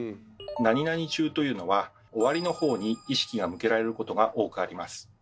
「中」というのは「終わり」の方に意識が向けられることが多くあります。